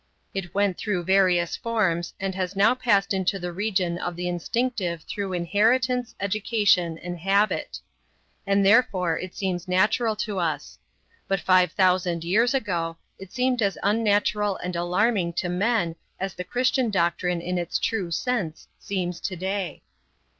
It went through various forms and has now passed into the region of the instinctive through inheritance, education, and habit. And therefore it seems natural to us. But five thousand years ago it seemed as unnatural and alarming to men as the Christian doctrine in its true sense seems to day.